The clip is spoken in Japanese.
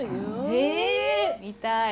ええ見たい！